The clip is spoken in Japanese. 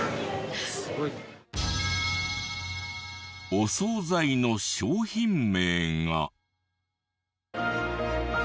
お総菜の商品名が。